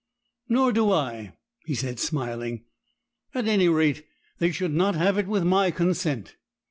'Nor do I,' he said, smiling; 'at any rate, they should not have it with my consent.